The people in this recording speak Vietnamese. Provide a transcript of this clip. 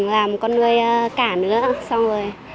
làm con nuôi cả nữa xong rồi